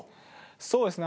そうですね